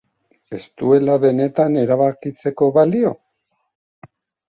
Ez duela benetan erabakitzeko balio?